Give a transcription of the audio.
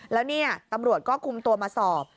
แล้วเนี่ยตำรวจก็คุมตัวมาสอบ